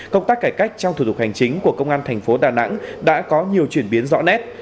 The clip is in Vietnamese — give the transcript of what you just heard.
công tác cải cách trong thủ tục hành chính của công an thành phố đà nẵng đã có nhiều chuyển biến rõ nét